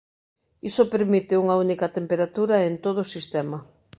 Iso permite unha única temperatura en todo sistema.